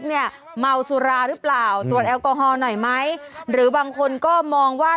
เนี่ยเมาสุราหรือเปล่าตรวจแอลกอฮอล์หน่อยไหมหรือบางคนก็มองว่า